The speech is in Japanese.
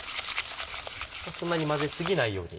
そんなに混ぜ過ぎないように。